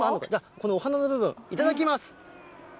このお花の部分、いただきます。